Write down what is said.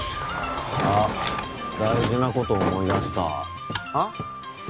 あっ大事なこと思い出したあっ？